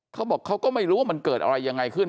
เขาบอกเขาก็ไม่รู้ว่ามันเกิดอะไรยังไงขึ้น